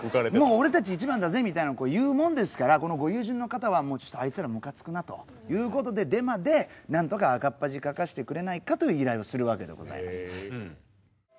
俺たち一番だぜみたいなこう言うもんですからご友人の方はちょっとあいつらムカつくなということでデマでなんとか赤っ恥かかしてくれないかと依頼をするわけでございます。